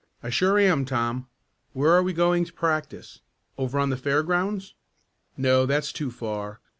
"I sure am, Tom. Where are we going to practice? Over on the fairgrounds?" "No, that's too far.